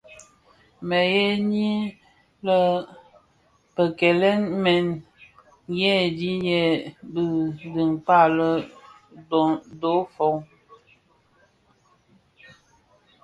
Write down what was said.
Mësëňi mË bikekel mèn ndheňiyên bi dhikpag lè dofon.